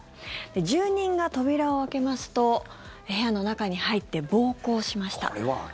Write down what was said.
住人が扉を開けますと部屋の中に入って暴行しました。